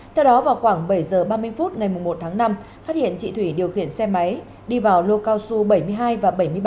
theo đó vào khoảng bảy h ba mươi phút ngày một tháng năm phát hiện chị thủy điều khiển xe máy đi vào lô cao su bảy mươi hai và bảy mươi ba